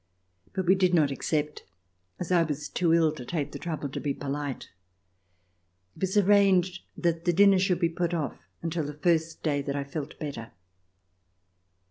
But we did not accept, as I was too ill to take the trouble to be polite. It was arranged that the dinner should be put off until the first day that I felt better.